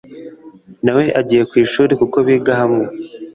nawe agiye kwishuri kuko biga hamwe